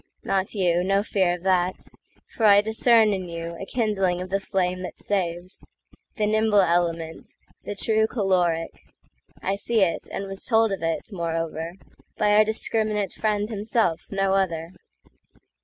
Not you—no fear of that; for I discernIn you a kindling of the flame that saves—The nimble element, the true caloric;I see it, and was told of it, moreover, By our discriminate friend himself, no other.